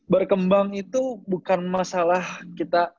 berkembang itu bukan masalah kita